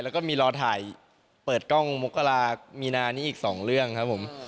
แล้วก็มีรอถ่ายเปิดกล้องมกรามีนานี้อีก๒เรื่องครับผม